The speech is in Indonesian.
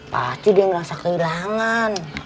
pak haci dia ngerasa kehilangan